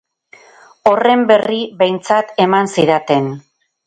Horren berri behintzat eman zidaten.